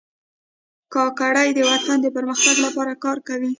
کاکړي د وطن د پرمختګ لپاره کار کوي.